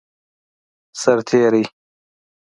سرتیری